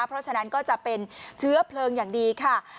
เพราะฉะนั้นก็จะเป็นเชื้อเพลิงอย่างดีค่ะ